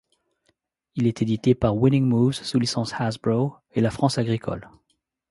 Il est édité par Winning Moves sous licence Hasbro et La France Agricole.